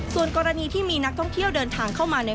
ส่วนกรณีที่มีนักท่องเที่ยวเดินทางเข้ามาใน